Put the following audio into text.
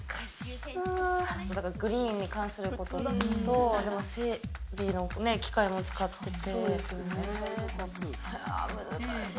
グリーンに関することと、整備の機械も使ってて。